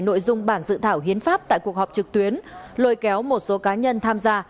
nội dung bản dự thảo hiến pháp tại cuộc họp trực tuyến lôi kéo một số cá nhân tham gia